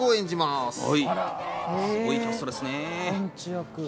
すごいキャストですね。